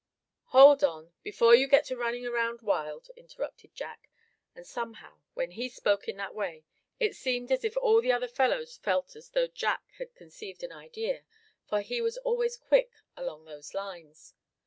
"Hold on, before you get to running around wild," interrupted Jack, and somehow when he spoke in that way it seemed as if all the other fellows felt as though Jack had conceived an idea, for he was always quick along those lines.